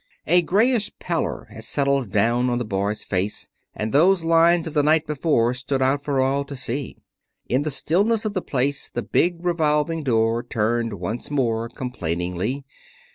A grayish pallor had settled down on the boy's face. And those lines of the night before stood out for all to see. In the stillness of the place the big revolving door turned once more, complainingly.